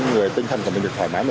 dạ bánh giấy này nè